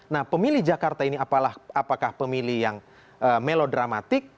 nah pemilih jakarta ini apakah pemilih yang melodramatik